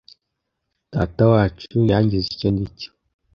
Datawacu yangize icyo ndi cyo.